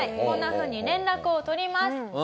こんなふうに連絡を取ります。